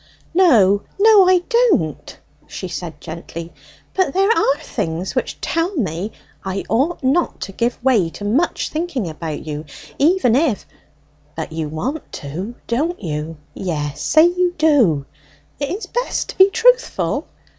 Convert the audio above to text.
"No, no, I don't," she said gently; "but there are things which tell me I ought not to give way to much thinking about you, even if " "But you want to, don't you? Yes, say you do; it is best to be truthful.